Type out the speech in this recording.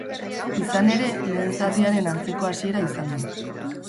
Izan ere, lehen zatiaren antzeko hasiera izan du.